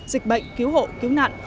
dịch bệnh cứu hộ cứu nạn